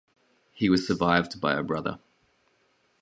He was survived by a brother.